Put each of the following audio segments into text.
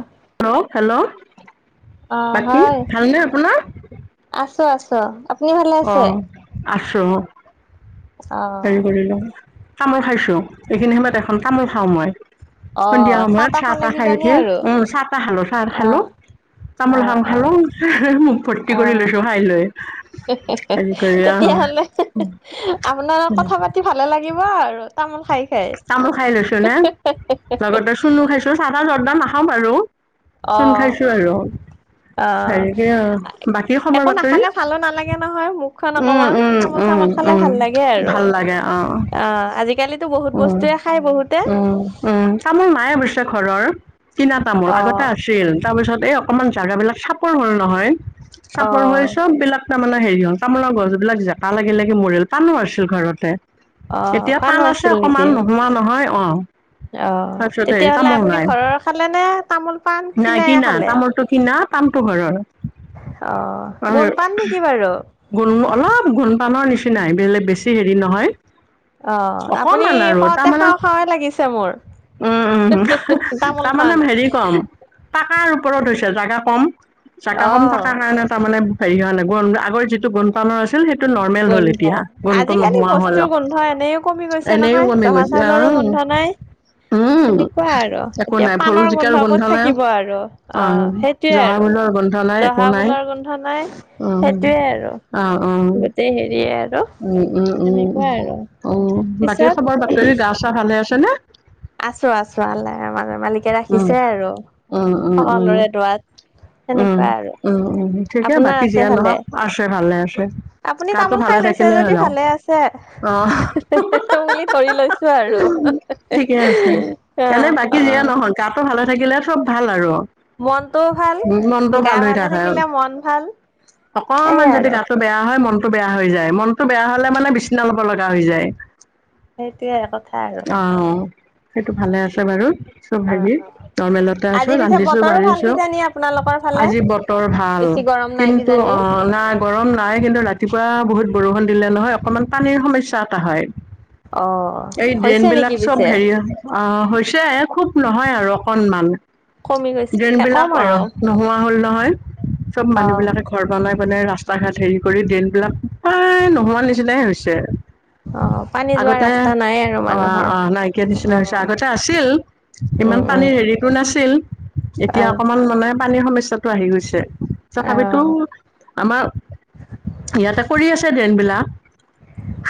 অ hello hello, অ হয়, আপোনাৰ আছো আছো আপ অ আছো, অ' হেৰি কৰিলো তামোল খাইছোঁ, এইখিনি সময়ত এখন তামোল খাওঁ মই। সন্ধিয়া অ' সময়ত চাহ খালে তাহ খাই কিজানি উঠি, আৰু উ চাহ তাহ খালো চাহ খালো। অ' তামোল অ' খন অ' খালোং, মুখ ভৰ্তি কৰি লৈছো খাই লৈ। হেৰি কৰি অ তেতিয়াাহলে আপোনাৰ কথা পাতি ভালে লাগিব আৰু, তামোল খাই খায়, তামোল খাই লৈছো চাধা জৰ্দ নাখাওঁ বাৰু চোন খাইছো আৰু, অ হেৰিকে অ বাকী খবৰ একো বাতৰি নাখালে ভালো নালাগে নহয় মোক, মুখ খন উম অকমান উম তামোল উম চামোল খালে উম ভাল লাগে আৰু ভাল লাগে অ আজি, উম উম উম তামোল নায়ে অবশ্যে ঘৰৰ। কিনা তামোল আগতে অ' আছিল তাৰ পিছত এই অকমান জাগাবিলাক চাপৰ হল নহয়, চাপৰ হৈ অ' চব বিলাক, তাৰমানে হেৰি হল তামোলৰ গছবিলাক জেপা লাগি লাগি মৰিল পানো আছিল ঘৰতে। অ পানো আছিল, হে অকমান নোহোৱা নহয়, অ। অ তাৰপিছত হেৰি তেতিয়াহ'লে তামোল আপুনি নাই, ঘৰৰ খালে নে, তামোল-পাণ নাই কিনাই কিনা, খালে? তামোলটো কিনা। পাণটো ঘৰৰ। অ, গোন্ধপাম নেকি বাৰু? গোন্ধ অলপ গোন্ধপানৰ নিচিনাই, বেলেগ বেছি হেৰি নহয়। অ, আপুনি অকমান আৰু কওঁতে, তাৰমানে খাওঁ-খাওঁৱে লাগিছে মোৰ। উম, উম। তামোলখন তাৰমানে হেৰি কম, পাকাৰ ওপৰত হৈছে। জাগা কম, জাগা অ কম থকাৰ কাৰণে তাৰমানে, হেৰি হোৱা নাই গোন্ধ আগৰ যিটো গোন্ধপানৰ আছিল, সেইটো নৰ্মেল হ'ল এতিয়া। গোন্ধটো নোহোৱা হ'ল আকৌ। হয়, এনে এনেও কমি গৈছে। অ নাই উম, সেনেকুৱা আৰু একো এতিয়া নাই ভুল পাণৰ জিকাৰ গোন্ধ ক'ত নাই। থাকিব আৰু অ সেইটোয়ে আৰু জহাভোলৰ গোন্ধ নাই, একো জহা নাই। ফুলৰ গোন্ধ নাই উম সেইটোয়ে আৰু অ অ গোটেই হেৰিয়ে আৰু উম উম উম সেনেকুৱা আৰু উম। বাকী, পিছত খবৰ বাতৰি গা-চা ভালে আছে নে? আছোঁ, আছোঁ। আল্লাহ আমাৰ মালিকে উম ৰাখিছে আৰু উম উম উম সকলোৰে দোৱাত। উম, সেনেকুৱাই আৰু। উম, উম। ঠিকে, আপোনাৰ বাকী আছে যিয়ে ভালে নহওঁক আছে ভালে আছে। আপুনি গাটো তামোল ভালে খাই লৈছে থাকিলে যদি হ'ল আৰু ভালে আছে। অ', হে হে বুলি ধৰি লৈছোঁ আৰু। ঠিকে আছে। অ এনে বাকী অ যিয়ে নহওঁক, গাটো ভালে থাকিলে চব ভাল আৰু। মনটোও ভাল। উম মনটো গা ভাল হৈ ভালে থাকে আৰু, থাকিলে মন ভাল অকনমান সেইয়াই যদি আৰু গাটো বেয়া হয় মনটো বেয়া হৈ যায়, মনটো বেয়া হ'লে মানে বিচিনা ল'ব লগা হৈ যায়। সেইটোয়ে কথা আৰু অ, সেইটো ভালে আছে বাৰু, চব অ হেৰি অ নৰ্মেলতে আজি আছোঁ পিছে ৰান্ধিছ- বতৰো ভাল বাঢ়িছো। কিজানি আপোনালোকৰ ফালে আজি বতৰ ভাল, বেছি গৰম নাই কিন্তু কিজানি আ, নাই গৰম নাই কিন্তু ৰাতিপুৱা বহুত বৰষুণ দিলে নহয়, অকনমান পানীৰ সমস্যা এটা হয়। অ, এই হৈছে ড্ৰেইনবিলাক নেকি চব পিছে হেৰি, অ, হৈছে। খুব নহয় আৰু অকনমান। কমি গৈছে, ড্ৰেইন বিলাক ক'ম অ আৰু। নোহোৱা হ'ল নহয়, চব, অ মানুহবিলাকে ঘৰ বনাই-বনাই ৰাস্তা-ঘাট হেৰি কৰি ড্ৰেইনবিলাক, প্ৰায় নোহোৱা নিচিনাই হৈছে। অ পানী যোৱা আগতে, ৰাস্তা নাই আৰু অ, মানুহৰ অ, নাইকিয়া নিচিনা অ হৈছে, আগতে আছিল। ইমান উম উম পানীৰ হেৰিতো নাছিল। অ এতিয়া অকমান মানে পানীৰ সমস্যাটো আহি গৈছে, তথাপিতো আমাৰ ইয়াতে কৰি আছে, ড্ৰেনবিলাক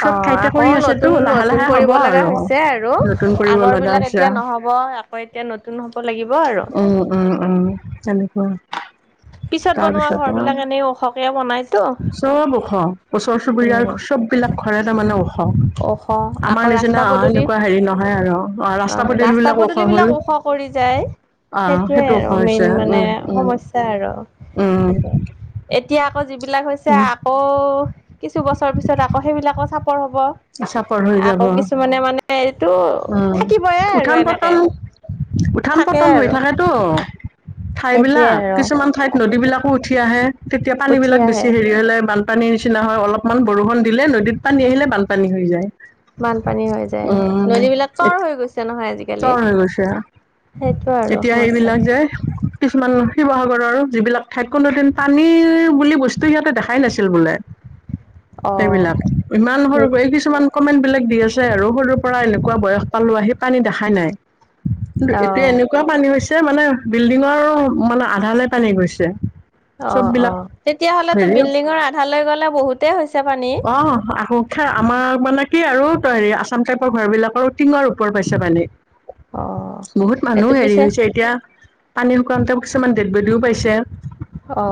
অ, আকৌ নতুন, নতুন কৰিব লগা আৰু হৈছে আৰু, নতুন কৰিব লগা আগৰবিলাক হৈছে এতিয়া নহ'ব, এক হয়, এতিয়া নতুন হব লাগিব আৰু, উম, উম, সেইটো। উম, [inaudible] পিছত বনোৱা ঘৰ তাৰপিছত আৰু, বিলাক এনেই ওখকে বনাইতো চ'ব ওখ ওচৰ-চুবুৰীয়াৰ উম চ চ'ব বিলাক ঘৰে তাৰমানে ও খ, ওখ আকৌ আমাৰ ৰাস্তা নিচিনা অ, পদূলি এনেকুৱা হেৰি নহয় আৰু, অ, ৰাস্তা পদূলিবিলাকো ওখ হ'ল। কৰি যায়। অ, সেইটো সজ উম মানে সমস্যা আৰু উম সেইটোৱে। এতিয়া আকৌ যিবিলাক হৈছে, উম আক অ, কিছু বছৰ পিছত আকৌ সেইবিলাকো চাপৰ হ'ব। চাপৰ হৈ যাব আকৌ কিছুমানে মানে এইটো, উম থাকিবয়ে আৰু উঠান এনেকে। পতন উঠান, থাকে পতন, হৈ আৰু থাকে তো, সেইটোৱে ঠাইবিলাক, আৰু কিছুমান ঠাইত তাকেতো নদীবিলাকো উঠি আহে। তেতিয়া পানী উঠি বিলাক আহে বেছি হেৰি হ'লে, বানপানীৰ নিচিনা হয়, অলপমান বৰষুণ দিলে নদীত পানী আহিলে বান পানী হৈ যায়। বানপানী হৈ যায়, নদীবলাক ত, আৰু হৈ গৈছে নহয় আজি। তৰ, হৈ গৈছে, আৰু এতিয়া সমস্যা সেইবিলাক যে। কিছুমান শিৱসাগৰৰ যিবিলাক ঠাইত কোনো দিন, পানীৰ বুলি বস্তু সিহঁতে দেখাই নাছিল বোলে। অ সেইবিলাক, ইমান সৰু এই কিছুমান কমেণ্টবিলাক দি আছে আৰু সৰুৰ পৰা এনেকুৱা বয়স পালো আহি পানী দেখাই নাই। কিন্তু, এতিয়া অ এনেক কোৱা, পানী হৈছে মানে বিল্ডিঙৰ মানে, আধালৈ পানী গৈছে। অ, চব অ, বিলাক তেতিয়াহ'লে তো, হেৰি বিল্ডিঙৰ আধালৈ গ'লে বহুতেই হৈছে পানী। অ, আহোঁ, খে, আমাৰ মানে কি আৰু ত, হেৰি আচাম টাইপৰ ঘৰ বিলাকৰ টিঙৰ ওপৰ পাইছে পানী। অ বহুত এইটো মানুহ হেৰি পিছে হৈছে, এতিয়া পানী শুকাওঁতে কিছুমান ডেডবডিও পাইছে। অ,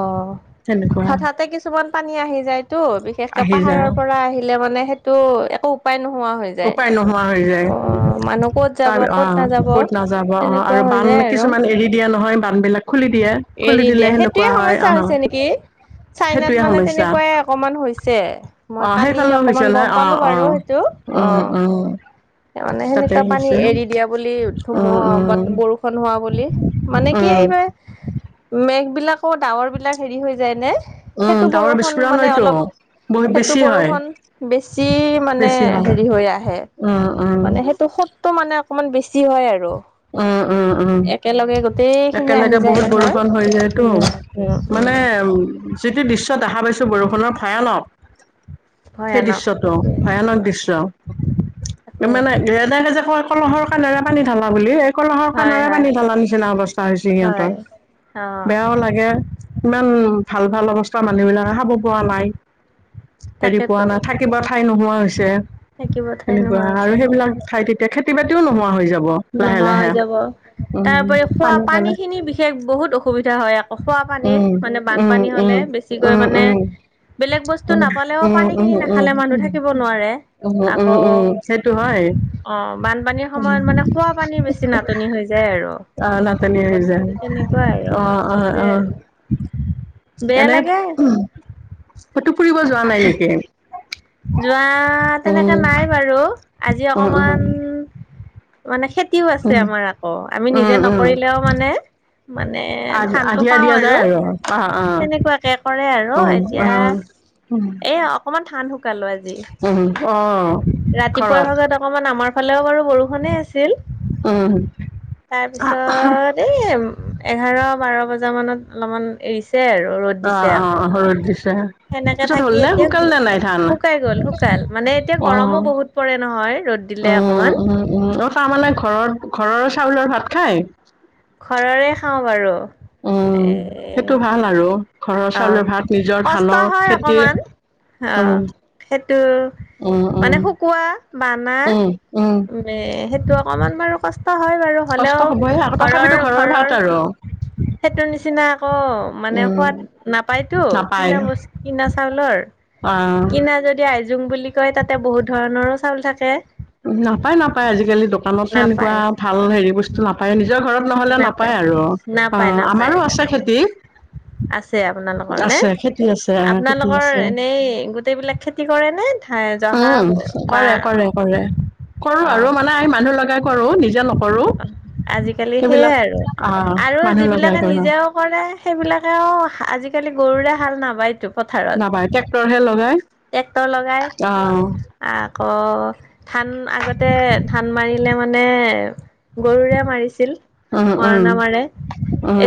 তেনেকুৱা হঠাতে কিছুমান পানী আহি যায়তো, বিশ একে আহি যায় পাহাৰৰ পৰা আহিলে মানে, সেইটো একো উপায় নোহোৱা হৈ যায় উপায় নোহোৱা হৈ যায়, অ মানুহ ক'ত যাব তাৰ ক'ত অ', নাযাব ক'ত নাযাব অ, তেনেকুৱা আৰু হৈ বান যায় আৰু কিছুমান এৰি দিয়ে নহয়, বান বিলাক। খুলি দিয়ে, খুলি এৰি দিলে দিয়ে সেইটোয়ে সেনেকুৱা হয়, সমস্যা আ, হ হৈছে নেকি চাইনাত মানে তেনেকুৱাই অকমান হৈছে, মই অ কালি সেইফালেও হৈছে অকমান গম নহয় পালোঁ বাৰু সেইটো। অ অ। তাৰ মানে তাতে হেনেকুৱা পানী হৈছে এৰি দিয়া বুলি, উম ধুমুহা উম বাট বৰষুণ হোৱা বুলি, মানে কি উম এইবোৰ মেঘ বিলাকো ডাৱৰ বিলাক হেৰি হৈ যায় নে? উম সেইটো ডাৱৰ বৰষুণ বিস্ফোৰণ মানে হয়তো অলপ বহুত সেইটো বেছি হয় বৰষুন বেছি মানে হেৰি হৈ আহে। অ'অ উম। মানে হেইটো সতটো মানে অকমান বেছি হয় আৰু। অ' অ' অ'। একেলগে গোটেই খিনি আহি একেলগে যায় বহুত নহয় বৰষুণ হৈ যায় টো। উম মানে উম যিটো দৃশ্য দেখা পাইছোঁ বৰষুণৰ ভয়ানক। সেই ভয়ানক দৃশ্যটো সেইটোৱে ভয়ানক অ দৃশ্য। তাকে মানে নিজে নিজে হোৱা, কলহৰ [unintelligible] পানী ঢালা বুলি, এই কলহৰ হয় কাণেৰে হয় পানী ঢালা নিচিনা অৱস্থা হৈছি সিহঁতৰ। হয় অ বেয়াও লাগে! ইমান ভাল ভাল অৱস্থা মানুহ বিলাকে খাব পোৱা নাই, হেৰি পোৱা তাকেতো নাই, থাক কিব ঠাই নোহোৱা হৈছে থাকিব ঠাই হেনেকুৱা, নোহোৱা আৰু হৈছে সেইবিলাক ঠাইত এত খেতি বাতিও নোহোৱা হৈ যাব। লাহে নোহোৱা লাহে হৈ যাব। উম তাৰওপৰিও খোৱা পানীৰ পানী কাৰণে খিনি বিশেষ বহুত অসুবিধা হয়, আকৌ খোৱা পানীৰ, উম মানে উম বানপানী হলে উম বেছি, কি কয় উম মানে, উম বেলেগ বস্তু উম নাপালেও উম উম পানীখিনি উম নাখালে মানুহ থাকিব নোৱাৰে। উম উম আকৌ উম সেইটো হয় অ' বানপানীৰ সময়ত মানে, খোৱা পানীৰ বেছি নাটনি হৈ যায় আৰু। অ নাটনি হৈ যায়। বস্তুটো তেনেকুৱা আৰু অ অ সেইটোয়ে অ। আৰু বেয়া এনেই, লাগে। ক'তো ফুৰিব যোৱা নাই নেকি? যোৱা তেনেক উম নাই বাৰু, আজি উম অকমান মানে খেতিও উম আছে উম আমাৰ আক', আমি উম নিজে উম নকৰিলেও মানে, মানে আ ধানটো আধিয়া পাওঁ দিয়া যায় আৰু অ অ তেনেকুৱাকে কৰে আৰু, এতিয়া! অহ। এ অকমান ধান শুকালো আজি, উহ হ, অ' [unintelligible] অ' ৰাতিপুৱাৰ ভাগত অকমান আমাৰ ফালেও বাৰু বৰষুণে আছিল! উম তাৰ পিছত, এই এঘাৰ বাৰ বজা মানত অলপমান এৰিছে, তিয়াহে আৰু ৰ'দ অ দিছে আকৌ। অ ৰ'দ দিছে। সেনেকে পিছত থাকি হ'ল নে এতিয়া শুকাল নে নাই ধান শুকাই গল শুকাল। মানে এতিয়া গৰমো বহুত। পৰে নহয় ৰ'দ, দিলে অঁ অকমান অঁ অঁ অ তাৰমানে ঘৰত ঘৰৰ চাউলৰ ভাত খাই। ঘৰৰে খাওঁ বাৰু। অঁ সেইটো এ ভাল আৰু। ঘৰৰ অ, চাউলৰ ভাত নিজৰ কষ্ট ধানৰ হয় খেতি অকমান। উম, অহ সেইটো উম, উম, মানে শুকুৱা বানা উম, উম, উ, এ সেইটো অকমান বাৰু কষ্ট হয় বাৰু, কষ্ট হ'লেও হ'বই আকৌ ঘৰৰ তথাপিতো ভাত ঘৰৰ। আৰু সেইটো নিচিনা আকৌ মানে উম, সোৱাদ। নাপাই টো নাপায় কিনা বস্তু কিনা চাউলৰ অ', কিন [unintelligible] যদি আইজোং বুলি কয়, তাতে বহুত ধৰণৰো চাউল থাকে। নাপাই নাপাই আজিকালি দোকানত সেনেকুৱা নাপায় ভাল হেৰি বস্তু নাপাই নিজৰ ঘৰত নহ'লে নাপায় আৰু, অ নাপায় নাপায় আমাৰো আছে নাপায় খেতি আছে আপোনালোকৰ নে আছে খেতি আছে অ খেতি আপোনালোকৰ আছে। এনেই গোটেইবিলাক খেতি কৰে নে? ধান জহা উম বা কৰে কৰে কৰে কৰো অ আৰু মানে মানুহ লগাই কৰো নিজে নকৰো। অ আজিকালি সেইবিলাক সেইয়াই আৰু, অ', আৰু মানুহ লগাই যিবিলাকে কৰো নিজেও কৰে সেইবিলাকেও আজি কালি গৰুৰে হাল নাবায়টো পথাৰত, নাপায় টেক্টৰ লগাই অ। আকৌ ধান আগতে, ধান মাৰিলে মানে গৰুৰে মাৰিছিল উম উম মৰণা মাৰে,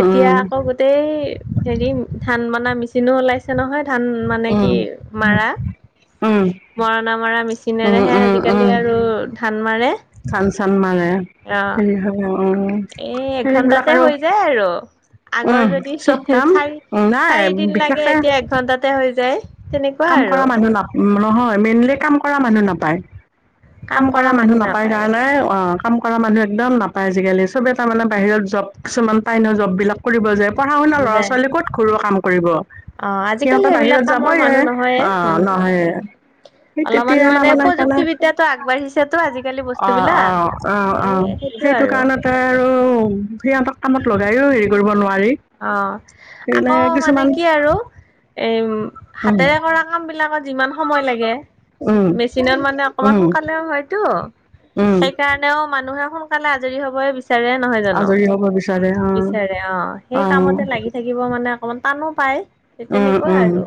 এতিয়া আকৌ গোটেই হেৰি, ধান মনা মেচিনো ওলাইছে নহয় ধান মানে কি উম মাৰা উম মৰণা মৰা উম উম মেচিনেৰেহে উম আজিকালি উম আৰু ধান মাৰে। ধান চান মাৰে। অ, হেৰি হ'ব উম এই সেইবিলাক এঘন্টাতে আৰু হৈ যায় আৰু। আগৰ উম যদি হিঁ চব হিঁ কাম চাৰি নাই চাৰি দিন লাগে বিশেষকে এতিয়া একঘন্টাতে হৈ যায়। তেনেকুৱা কাম কৰা আৰু মানুহ নাপ নহয় মেইনলি কাম কৰা মানুহ নাপায়। কাম কৰা মানুহ নাপায় কাৰণে, অ কাম কৰা মানুহ একদম নাপায় আজিকালি চবে তাৰ মানে বাহিৰত জব কিছুমান পাই নহয় জব বিলাক। কৰিব যায়, পঢ়া শুনা ল'ৰা দে ছোৱালী ক'ত ঘৰুৱা কাম কৰিব। অ সিহঁতে আজিকালি সেইবিলাক বাহিৰত কামৰ যাবয়ে মানুহ নহয়। এ অ ওম ওম নহয় ওম, সেই অলপমান তেতিয়া মানে তাৰমানে সেইকাৰণে প্ৰযুক্তিবিদ্যাটো আগবাঢ়িছে টো আজিকালি অ অ বস্তুবিলাক অ এ অ সেইটো আৰু কাৰণ তে আৰু সিহঁতক কামত লগাইয়ো হেৰি কৰিব নোৱাৰি। অ আকৌ সেইবিলাক মানে কিছুমান কি আৰু এই উম, হাতেৰে কৰা কাম বিলাকত যিমান সময় লাগে, উম, মেচিনত মানে অকমান উম, সোনকালেও হয়তো উম। সেইকাৰণেও মানুহে সোনকালে আজৰি হবই বিচাৰে নহয় জানো, আজৰি হ'ব বিচাৰে অ', বিচাৰে অ সেই অ', কামতে লাগি থাকিব মানে অকমান টানো পায়। সেই উম, তেনেকুৱা উম, আৰু,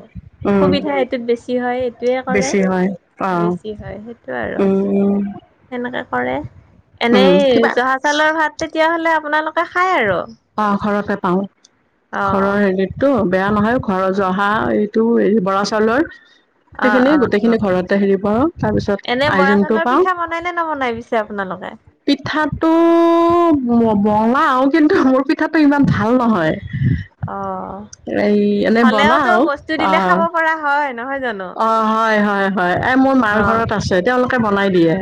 উম, সুবিধা সেইটোত বেছি হয় সেইটোৱে কৰে। বেছি হয় অ', বেছি হয় সেইটোৱে আৰু উম, উম, সেনেকা কৰে। উম, এনেই কিবা জহা চাউলৰ ভাত তেতিয়াহলে আপোনালোকে খাই আৰু! অ ঘৰতে পাও, অ'। ঘৰৰ হেৰিতটো বেয়া নহয় ঘৰৰ জহা এই টো এই বৰা চাউলৰ। অ', সেইখিনি অ', গোটেইখিনি অ', ঘৰতে হেৰি কৰো, তাৰপিছত এনে বৰা আইজুংটো চাউলৰ পাওঁ। পিঠা বনাই নে নবনাই পিছে আপোনালোকে? পিঠাটো বনাও, কিন্তু মোৰ পিঠাটো ইমান ভাল নহয়। অ', এই এনে হলেওঁতো বনাও বস্তু দিলে খাব অ', পৰা হয়, নহয় জানো? অ', হয়, হয়। হয়, এ, মোৰ মাৰ অ', ঘৰত আছে। তেওঁলোকে বনাই দিয়ে।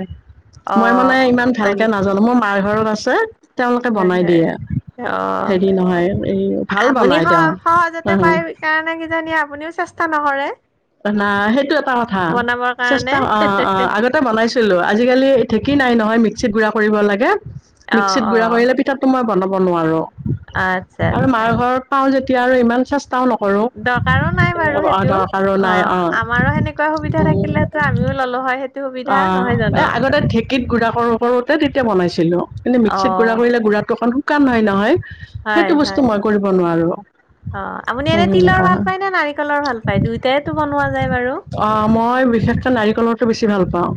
মই মানে অ', ইমান হয় ভালকে নেকি? নাজানো, মই মাৰঘৰত আছে, তেওঁলোকে হয়, বনাই হয়। দিয়ে। অ', হেৰি নহয়, এই ভাল আপুনি বনাই তেওঁ, সহ-সহজতে আহ পাই কাৰণে কিজানি আপুনিও চেষ্টা নকৰে। না, সেইটো এটা কথা, বনাবৰ কাৰণে? চেষ্টা অ', অ' আগতে আগতে বনাইছিলো, আজিকালি ঢেকি নাই নহয়, মিক্সিত গুড়া কৰিব লাগে, অ', মিক্সিত গুড়া অ', কৰিলে পি ঠাটো মই বনাব নোৱাৰো। আচ্ছা, আৰু আচ্ছা। মাৰ ঘৰত পাওঁ যেতিয়া আৰু ইমান চে ষ্টাও নকৰো দৰকাৰো নাই বাৰু সেইটো [unintelligible] অ', আমাৰো সেনেকুৱা সুবিধা থাকিলেতো আমিও ললো হয়। সুবিধা অ', নহয় জানো এই আগতে ঢে কীত গুড়া কৰোতে তেতিয়া বনাইছিলো, কিন্তু অ মিক্সিত গুড়া কৰিলে গুড়াটো অলপ শুকান হয় নহয়। সেইটো হয় বস্তু হয় মই কৰিব নোৱাৰো। অ', আপুনি এনে তিলৰ ভাল পায় নে নাৰিকলৰ ভাল পায়? দুয়োটাই তো বনোৱা যায় বাৰু। অ', মই বিশেষকে নাৰিকলৰটো বেছি ভাল পাওঁ,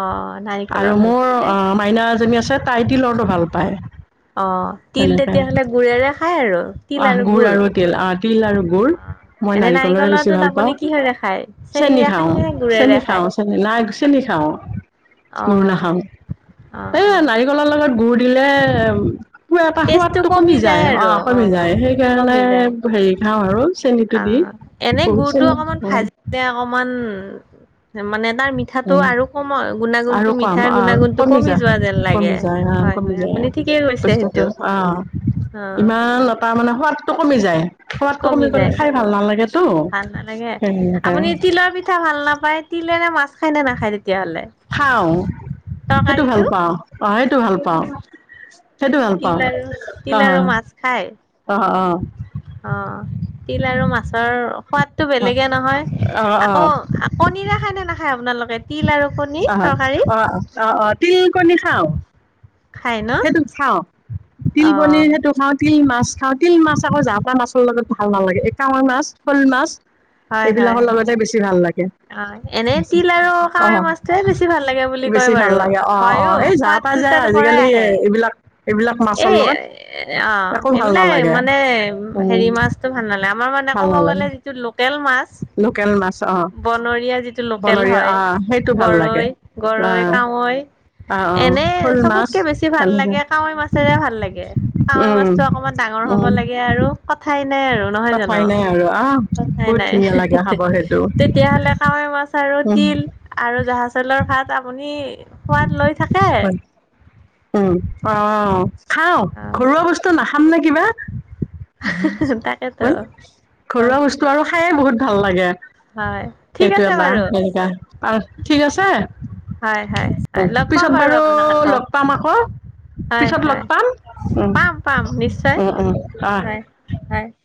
অ নাৰিকলৰ আৰু ভাল মোৰ পায় নে আ মাইনা এজনী আছে তাই তিলৰটো ভাল পায়। অহ, তিল তেনেকে তেতিয়াহ'লে গুৰেৰে খায় আৰু? আহ, গুৰ আৰু তিল, আহ, তিল আৰু গুৰ, অ মই এনে নাৰিকলৰে বেছি নাৰিকলৰটোত ভাল আপুনি পাওঁ। কিহেৰে খায় চেনী চেনিৰে খায় খাওঁ, নে গুৰেৰে চেনী খায় খাওঁ, চেনি নাই চেনী খাওঁ, অ গুৰ নাখাওঁ। এ অ', অ'। নাৰিকলৰ লগত গুড় দিলে এটা সোৱাদটো কমি যায় অ'। কমি যায়, সেইকাৰণে কমি যায় হেৰি খাওঁ আৰু। চেনীটো দি আহ [unintelligible] অকণমান মানে, তাৰ মিঠাটো উম আৰু কম, আৰু গুণাগুণতো কম মিঠাৰ অ গুণাগুণটো কমি যায় যোৱা যেন লাগে। কমি যায়, হা হয় কমি হয় যায়, আপুনি ঠিকেই কৈছে সেইটো অ', অ ইমান তাৰমানে সোৱাদটো কমি যায়। সোৱাদটো কমি গ'লে খাই ভাল নালাগেটো, ভাল নালাগে। সেই আপুনি সেইকাৰণে। তিলৰ পিঠা ভাল নাপায়। তিলেৰে মাছ খায় নে নাখায় তেতিয়াহ'লে? খাওঁ, সেইটো ভাল তৰকাৰীটো পাওঁ, অ' সেইটো ভাল অ পাওঁ। সেইটো ভাল তিল পাওঁ আৰু তিল আৰু অ', মাছ খায় অ', অ'। অ', তিল আৰু মাছৰ সোৱাদটো বেলেগে নহয়, অ অ অ আকৌ কনীৰে খায় নে নাখায় আপোনালোকে? তিল আৰু কণী? আহ, তৰকাৰী অ', অ', অ', তিল কণী খাওঁ। খায় ন? সেইটো খাওঁ। তিল কনীৰ অ', সেইটো খাওঁ। তিল মাছ খাওঁ। তিল মাছ আকৌ যা তা মাছৰ লগত ভাল নালাগে। কাৱৈ মাছ, শ'ল মাছ। হয়, হয়, এইবিলাকৰ হয়। লগতে বেছি ভাল লাগে। অ', এনেই তিল আৰু অ কাৱৈ মাছটো বেছি ভাল লাগে বুলি কয় বাৰু, হয়ও সোৱাদ খোৱা যায় আজিকালি আহে এইবিলাক এইবিলাক এই মাছৰ লগত অ' একো ভাল এইবিলাক নালাগে মানে উম হেৰি মাছ টো ভাল নালাগে আমাৰ মানে ভাল ক'ব গ'লে নালাগে যিটো লোকেল মাছ। লোকেল মাছ অ বনৰীয়া যিটো লোকেল বনৰীয়া হয় অ সেইটো ভাল লাগে গৰৈ, অ গৰৈ, কাৱৈ, অ অ এনে শ'ল মাছ চবতকৈ বেছি ভাল লাগে কাৱৈ মাছেৰে ভাল লাগে, কাৱৈ উম মাছটো অকণমান ডাঙৰ হ'ব উম লাগে, আৰু কথাই নাই। আৰু নহয় কথাই জানো, নাই আৰু আহ কথাই বহুত নাই। ধুনীয়া লাগে খাব সেইটো তেতিয়াহ'লে কাৱৈ মাছ আৰু উম তিল আৰু জহা চাউলৰ ভাত আপুনি সোৱাদ লৈ থাকে? হয়। উম অ খাওঁ অ ঘৰুৱা বস্তু নাখাম নে কিবা। তাকেতো হোঁ ঘৰুৱা বস্তু আৰু খায়ে বহুত ভাল লাগে। হয় ঠিক সেইটো এ আছে বা বাৰু সেনেকা আৰু ঠিক আছে। হয় হয় হয় অ'। লগ পাম পিছত বাৰু আপোনাক আকৌ লগ পাম আকৌ হয় পিছত হয় লগ পাম। পাম পাম নিশ্চয় উম উম অ'। হয় হয়।